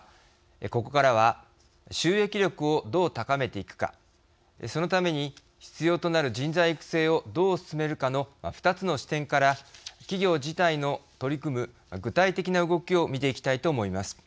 ここからは収益力をどう高めていくかそのために必要となる人材育成をどう進めるかの２つの視点から企業自体の取り組む具体的な動きを見ていきたいと思います。